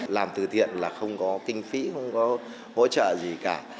làm từ thiện là không có kinh phí không có hỗ trợ gì cả